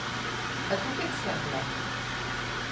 A tu què et sembla?